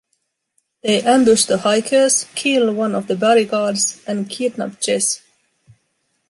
They ambush the hikers, kill one of the bodyguards, and kidnap Jess.